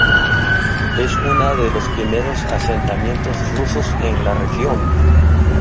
Es una de los primeros asentamientos rusos en la región.